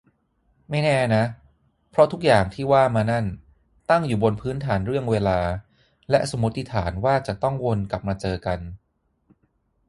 ไม่แน่นะ เพราะทุกอย่างที่ว่ามานั่น ตั้งอยู่บนพื้นฐานเรื่องเวลา และสมมติฐานว่าจะต้องวนกลับมาเจอกัน